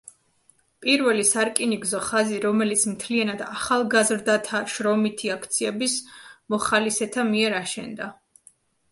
პირველი სარკინიგზო ხაზი, რომელიც მთლიანად ახალგაზრდათა შრომითი აქციების მოხალისეთა მიერ აშენდა.